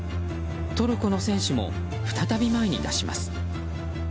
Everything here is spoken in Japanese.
トルコの選手も再び前に出します。